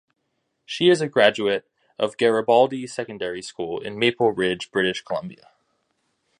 She is a graduate of Garibaldi Secondary School in Maple Ridge, British Columbia.